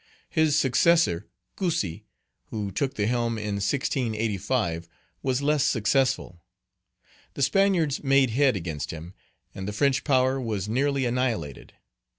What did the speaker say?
His successor, Cussy, who took the helm in 1685, was less successful. The Spaniards made head against him, and the French power was nearly annihilated.